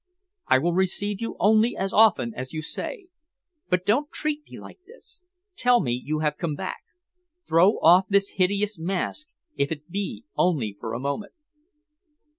I will receive you only as often as you say. But don't treat me like this. Tell me you have come back. Throw off this hideous mask, if it be only for a moment."